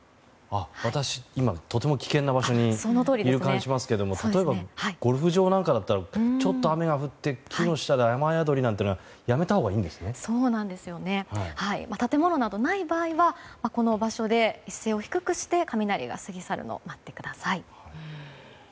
私、今とても危険な場所にいる感じがしますが例えば、ゴルフ場なんかではちょっと雨が降って木の下で雨宿りなんていうのは建物などない場合はこの場所で姿勢を低くして雷が過ぎ去るのを待ってください。